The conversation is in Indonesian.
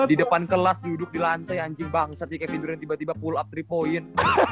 di depan kelas duduk di lantai anjing bangsa si kevinduran tiba tiba pull up tiga point